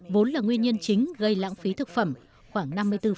vốn là nguyên nhân chính gây lãng phí thực phẩm khoảng năm mươi bốn